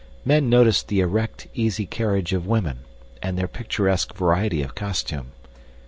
Men noticed the erect, easy carriage of women, and their picturesque variety of costume.